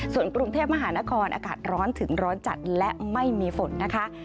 ส่วนกรุงเทพมหานครอากาศร้อนถึงร้อนจัดและไม่มีฝนนะคะ